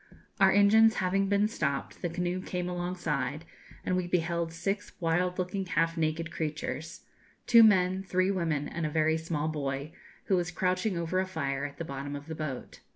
Our engines having been stopped, the canoe came alongside, and we beheld six wild looking half naked creatures two men, three women, and a very small boy, who was crouching over a fire at the bottom of the boat.